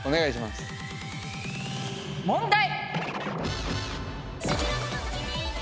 問題！